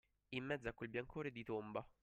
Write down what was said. In mezzo a quel biancore di tomba.